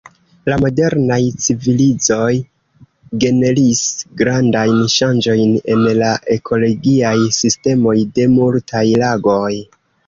La modernaj civilizoj generis grandajn ŝanĝojn en la ekologiaj sistemoj de multaj lagoj.